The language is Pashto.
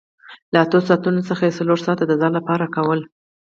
له اتو ساعتونو څخه یې څلور ساعته د ځان لپاره کول